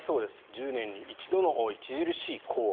１０年に一度の著しい高温